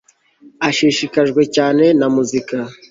Ashishikajwe cyane na muzika